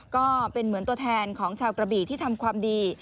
ก็เป็นเหมือนตัวแทนของชาวกระบี่ที่ทำความดี